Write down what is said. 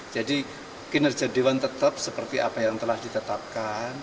jadi kinerja dewan tetap seperti apa yang telah ditetapkan